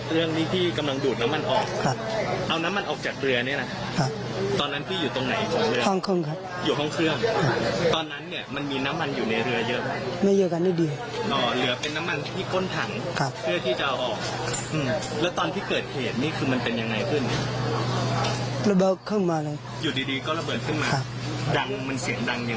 อยู่ดีก็ระเบิดขึ้นมาดังมันเสียงดังอย่างไร